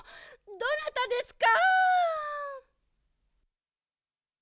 どなたですか？